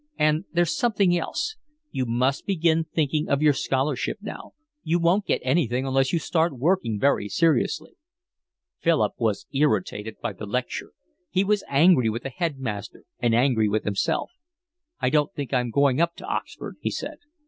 "And there's something else. You must begin thinking of your scholarship now. You won't get anything unless you start working very seriously." Philip was irritated by the lecture. He was angry with the headmaster, and angry with himself. "I don't think I'm going up to Oxford," he said.